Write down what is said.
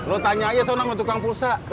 lo tanya aja sama tukang pulsa